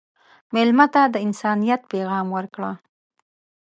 مېلمه ته د انسانیت پیغام ورکړه.